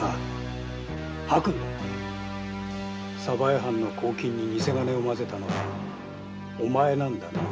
鯖江藩の公金に偽金を混ぜたのはお前なんだな？